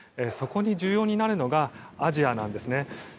そこで重要になるのがアジアなんですね。